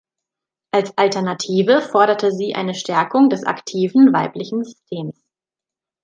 Als Alternative forderte sie eine Stärkung des "Aktiven Weiblichen Systems".